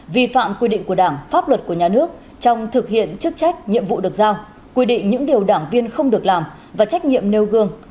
vi phạm quy định của đảng pháp luật của nhà nước trong thực hiện chức trách nhiệm vụ được giao quy định những điều đảng viên không được làm và trách nhiệm nêu gương